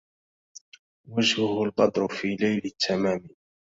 وجهه البدر في ليل التمام